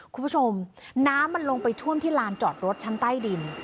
คุณผู้ชมน้ำมันลงไปท่วมที่ลานจอดรถชั้นใต้ดิน